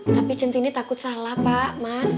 tapi centini takut salah pak mas